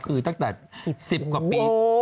คือตั้งแต่๑๐กว่าปี